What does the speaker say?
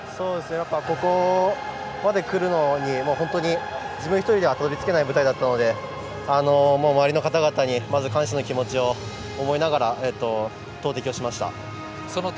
ここまでくるのに本当に自分１人ではたどり着けない舞台だったので周りの方々に感謝の気持ちを思いながら投てきをしました。